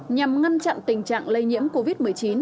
nhằm ngăn chặn tình trạng lây nhiễm covid một mươi chín